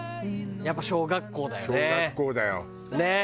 やっぱ小学校だよね。